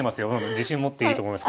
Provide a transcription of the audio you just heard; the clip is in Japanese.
自信持っていいと思います。